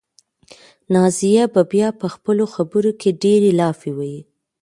نازیه به بیا په خپلو خبرو کې ډېرې لافې وهي.